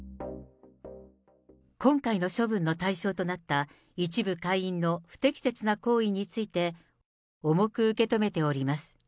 今回の処分の対象となった一部会員の不適切な行為について、重く受け止めております。